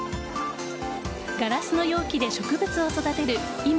ガラスの容器で植物を育てる今